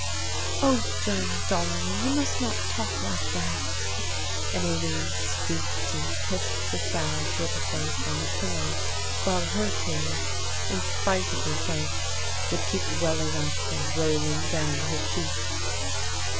"O Joan, darling, you must not talk like that," and Aline stooped and kissed the sad little face on the pillow, while her tears, in spite of herself, would keep welling up and rolling down her cheeks.